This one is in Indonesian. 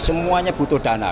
semuanya butuh dana